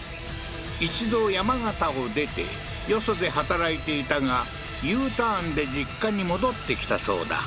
一度山形を出てよそで働いていたがＵターンで実家に戻ってきたそうだ